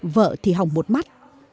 vợ thì hỏng một mắt